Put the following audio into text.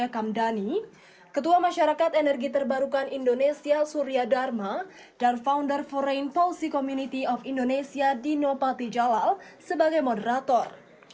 kamdani ketua masyarakat energi terbarukan indonesia surya dharma dan founder foreign policy community of indonesia dino patijalal sebagai moderator